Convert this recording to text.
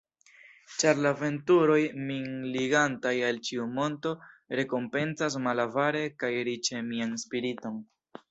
Ĉar la aventuroj min ligantaj al ĉiu monto rekompencas malavare kaj riĉe mian spiriton.